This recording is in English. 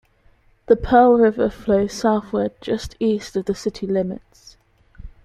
The Pearl River flows southward just east of the city limits.